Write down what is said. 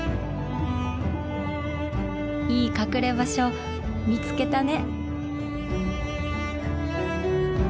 いい隠れ場所見つけたね。